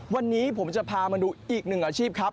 วันนี้ผมจะพามาดูอีกหนึ่งอาชีพครับ